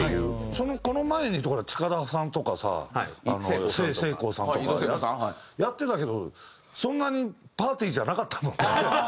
この前でいうと近田さんとかさせいこうさんとかやってたけどそんなにパーティーじゃなかったもんね。